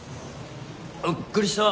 びっくりした！